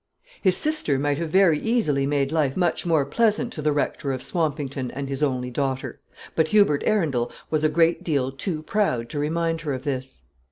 His sister might have very easily made life much more pleasant to the Rector of Swampington and his only daughter; but Hubert Arundel was a great deal too proud to remind her of this.